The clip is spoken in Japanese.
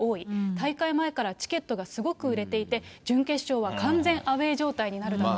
大会前からチケットがすごく売れていて、準決勝は完全アウエー状態になるだろうと。